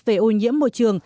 về ô nhiễm môi trường